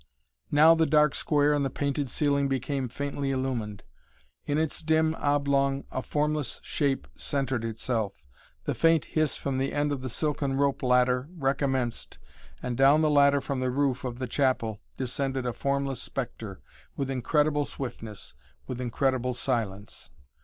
Now the dark square in the painted ceiling became faintly illumined. In its dim oblong a formless shape centred itself. The faint hiss from the end of the silken rope ladder recommenced and down the ladder from the roof of the chapel descended a formless spectre, with incredible swiftness, with incredible silence.